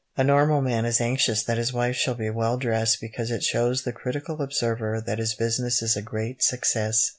A normal man is anxious that his wife shall be well dressed because it shows the critical observer that his business is a great success.